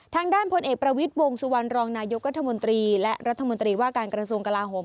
ทางด้านพลเอกประวิทย์วงสุวรรณรองนายกรัฐมนตรีและรัฐมนตรีว่าการกระทรวงกลาโหม